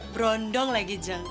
berondong lagi jeng